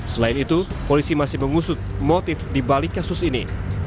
selain itu polisi masih mengusut motif dibalik kasus ini